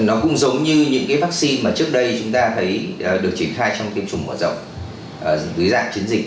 nó cũng giống như những cái vaccine mà trước đây chúng ta thấy được triển khai trong tiêm chủng mở rộng dưới dạng chiến dịch